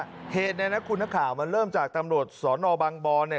แบบนี้บอกว่าเหตุในนักคุณข่าวมันเริ่มจากตำรวจสอนอบังบอลเนี่ย